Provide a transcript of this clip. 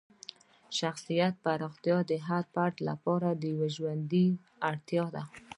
شخصیت پراختیا د هر فرد لپاره یوه ژوندۍ اړتیا ده.